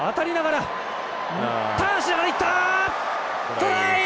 トライ！